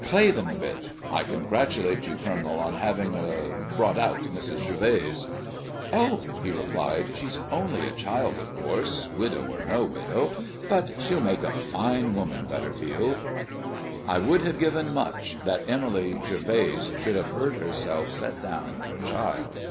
Play them a bit. I congratulate you, Colonel, on having er brought out Mrs. Gervase." "Oh," he replied, "she's only a child, of course, widow or no widow; but she'll make a fine woman, Butterfield." I would have given much that Emily Gervase should have heard herself set down a child.